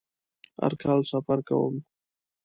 هر کال سفر کوم